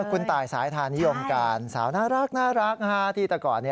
คุณตายสายทานิยมการสาวน่ารักที่แต่ก่อน